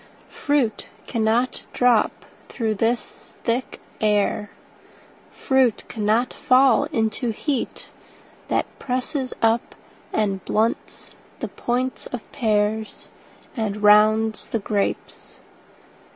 Fruit cannot dropThrough this thick air—Fruit cannot fall into heatThat presses up and bluntsThe points of pearsAnd rounds the grapes.